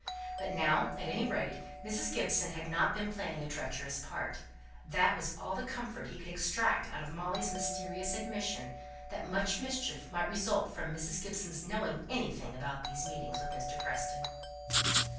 But now, at any rate, Mrs. Gibson had not been playing a treacherous part; that was all the comfort he could extract out of Molly's mysterious admission, that much mischief might result from Mrs. Gibson's knowing anything about these meetings with Mr. Preston.